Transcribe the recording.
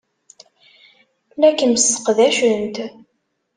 La kem-sseqdacent.